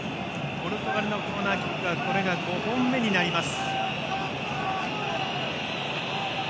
ポルトガルのコーナーキックはこれで５本目になります。